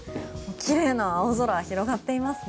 きれいな青空が広がっています。